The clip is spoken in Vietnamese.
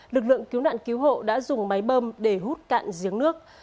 lực lượng cứu nạn cứu hộ đã dùng máy bơm để hút cạn giếng nước